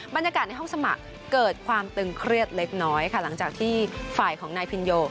บรรยากาศในห้องสมัครเกิดความตึงเครียดเล็กน้อยค่ะหลังจากที่ฝ่ายของนายพินโย